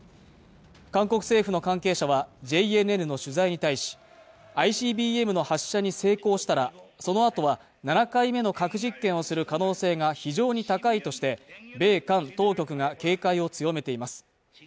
韓国政府の関係者はＪＮＮの取材に対しＩＣＢＭの発射に成功したらそのあとは７回目の核実験をする可能性が非常に高いとして米韓当局が警戒を強めています